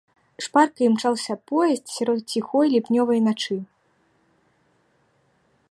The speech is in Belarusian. Шпарка імчаўся поезд сярод ціхой ліпнёвай начы.